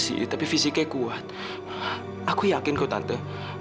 sita kamu ikut aku ke rumah ya